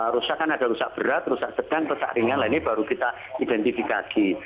rusakan ada rusak berat rusak sedang rusak ringan ini baru kita identifikasi